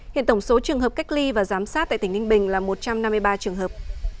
hiện tổng số trường hợp cách ly và giám sát tại tỉnh ninh bình là một trăm năm mươi ba trường hợp